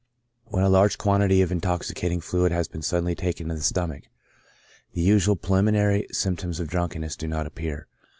" When a large quantity of intoxicating fluid has been sud denly taken into the stomach, the usual preliminary symp toms of drunkenness do not appear.